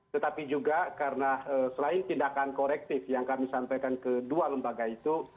tetapi juga karena selain tindakan korektif yang kami sampaikan ke dua lembaga itu